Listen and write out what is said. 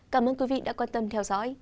cảm ơn quý vị đã quan tâm theo dõi